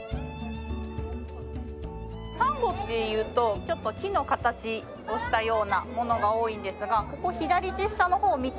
サンゴっていうとちょっと木の形をしたようなものが多いんですがここ左手下の方を見て頂くとキノコ畑みたいに。